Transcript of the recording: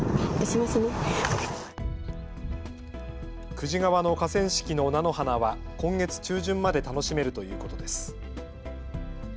久慈川の河川敷の菜の花は今月中旬まで楽しめるということです。